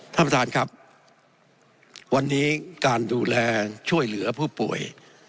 ท่านประธานครับวันนี้การดูแลช่วยเหลือผู้ป่วย